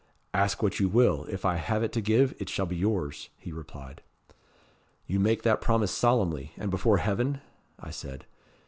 'Ask what you will; if I have it to give, it shall be yours,' he replied. 'You make that promise solemnly, and before heaven?' I said.